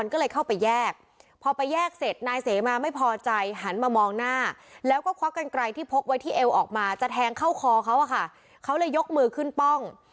ก็ควักกันไกรที่พกไว้ที่เอวออกมาจะแทงเข้าคอเขาอ่ะค่ะเขาเลยยกมือขึ้นป้อง